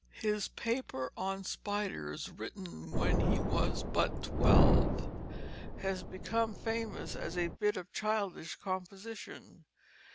His paper on spiders, written when he was but twelve, has become famous as a bit of childish composition.